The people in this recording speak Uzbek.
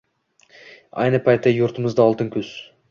Ayni paytda yurtimizda oltin kuz